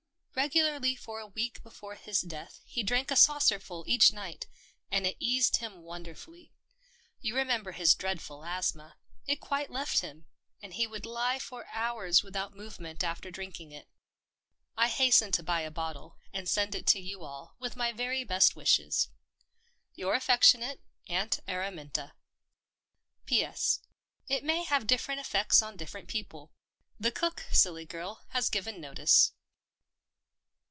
" Regularly for a week before his death he drank a saucerful each night — and it eased him wonderfully. You remember his dreadful asthma. It quite left him, and he would lie for hours without movement after drink ing it. " I hastened to buy a bottle — and send it to you all, with my very best wishes, " Your affectionate " Aunt Araminta." " P.S. — It may have different effects on different people. The cook, silly girl, has given notice."